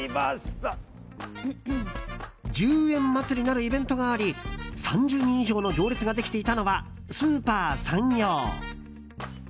１０円まつりなるイベントがあり３０人以上の行列ができていたのはスーパーさんよう。